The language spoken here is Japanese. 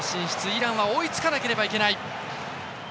イランは追いつかなければいけない。